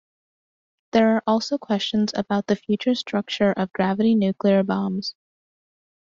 There are also questions about the future structure of gravity nuclear bombs.